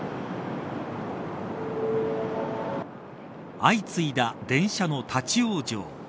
相次いだ電車の立ち往生。